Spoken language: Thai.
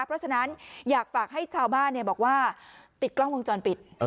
เพราะฉะนั้นอยากฝากให้ชาวบ้านบอกว่าติดกล้องวงจรปิด